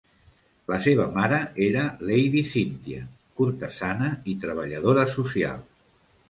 La seva mare era Lady Cynthia, cortesana i treballadora social.